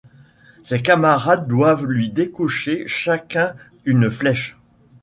Ses camarades doivent lui décocher chacun une flèche.